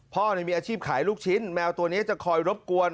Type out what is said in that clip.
มีอาชีพขายลูกชิ้นแมวตัวนี้จะคอยรบกวน